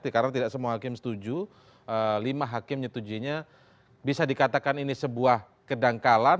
karena tidak semua hakim setuju lima hakim yang ditujuinya bisa dikatakan ini sebuah kedangkalan